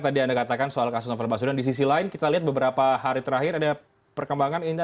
tadi anda katakan soal kasus novel baswedan di sisi lain kita lihat beberapa hari terakhir ada perkembangan